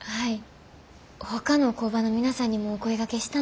はい。